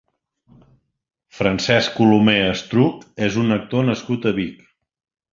Francesc Colomer Estruch és un actor nascut a Vic.